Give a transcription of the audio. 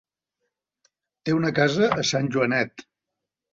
Té una casa a Sant Joanet.